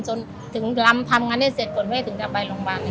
จนถึงทำงานนี้เสร็จก่อนแม่ก็ถึงไปโรงพยาบาล